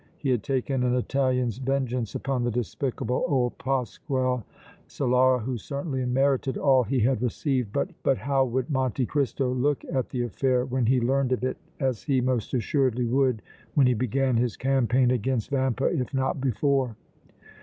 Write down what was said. He had taken an Italian's vengeance upon the despicable old Pasquale Solara, who certainly merited all he had received, but how would Monte Cristo look at the affair when he learned of it as he most assuredly would when he began his campaign against Vampa, if not before?